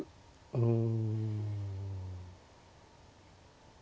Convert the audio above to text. うん。